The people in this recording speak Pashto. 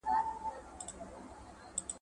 د سياسي قدرت د لاسته راوړلو هڅه وکړئ.